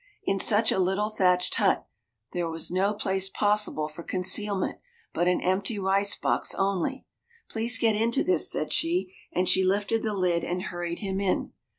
In such a little thatched hut there was no place possible for concealment but an empty rice box only. "Please get into this," said she, and she lifted the lid and hurried him in.